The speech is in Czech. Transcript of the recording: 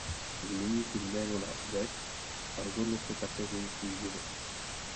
Změní si jméno na Zack a rozhodne se také změnit svůj život.